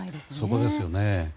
そこですよね。